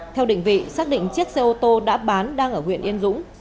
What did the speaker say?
theo định vị xác định chiếc xe ô tô đã bán đang ở huyện yên dũng